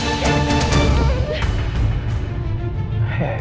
saya juga melahir sesatnya